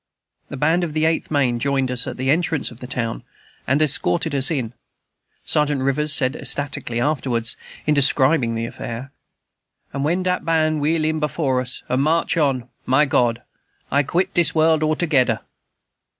The band of the Eighth Maine joined us at the entrance of the town, and escorted us in. Sergeant Rivers said ecstatically afterwards, in describing the affair, "And when dat band wheel in before us, and march on, my God! I quit dis world altogeder."